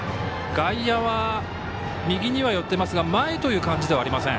外野は右には寄っていますが前という感じではありません。